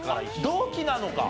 同期なのか。